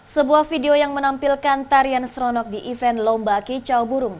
sebuah video yang menampilkan tarian stronok di event lomba kicau burung